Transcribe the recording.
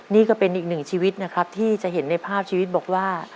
นี่ก็เป็นอีกหนึ่งชีวิตนะครับที่จะเห็นในภาพชีวิตบอกว่า